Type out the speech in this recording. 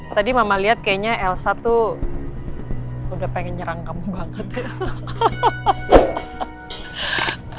tadi mama lihat kayaknya elsa tuh udah pengen nyerang kamu banget gitu